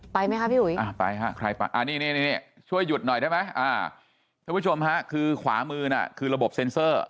ไปไหมคะพี่อุ๋ยไปฮะใครไปนี่ช่วยหยุดหน่อยได้ไหมท่านผู้ชมฮะคือขวามือน่ะคือระบบเซ็นเซอร์